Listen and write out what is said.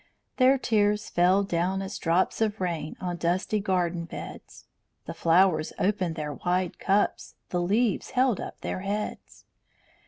Their tears fell down as drops of rain On dusty garden beds; The flowers opened wide their cups, The leaves held up their heads.